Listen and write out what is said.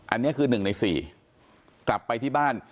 อันนี้คือ๑ใน๔กลับไปที่บ้าน